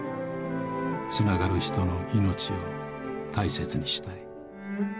つながる人のいのちを大切にしたい。